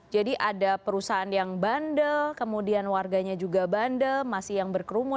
jadi ada perusahaan yang bandel kemudian warganya juga bandel masih yang berkerumun